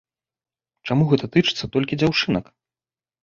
Чаму гэта тычыцца толькі дзяўчынак?